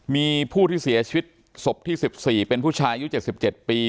มีผู้ที่เสียชีวิตสบที่สิบสี่เป็นผู้ชายุดเจ็บสิบเจ็ดปี